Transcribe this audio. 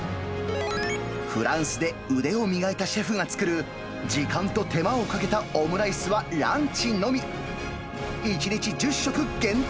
フランスで腕を磨いたシェフが作る、時間と手間をかけたオムライスはランチのみ。